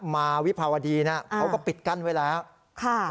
วิภาวดีนะเขาก็ปิดกั้นไว้แล้วค่ะ